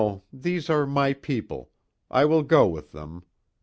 These are my people. I will go with them.